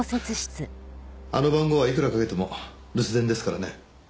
あの番号はいくらかけても留守電ですからね。